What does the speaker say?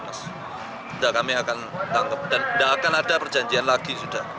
kita akan tangkap dan tidak akan ada perjanjian lagi